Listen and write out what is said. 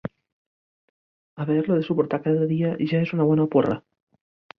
Haver-lo de suportar cada dia: ja és una bona porra!